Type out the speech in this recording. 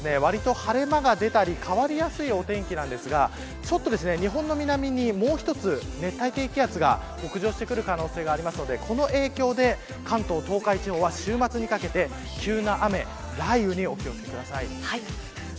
関東も、わりと晴れ間が出たり変わりやすいお天気なんですがちょっと日本の南にもう一つ熱帯低気圧が北上してくる可能性があるのでこの影響で関東、東海地方は週末にかけて急な雨、雷雨にお気を付けください。